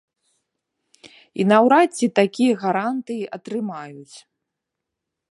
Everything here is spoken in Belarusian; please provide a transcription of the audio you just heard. І наўрад ці такія гарантыі атрымаюць.